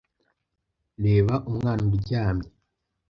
Reba umwana uryamye.